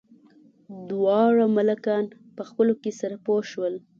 دواړه ملکان په خپلو کې سره پوه شول.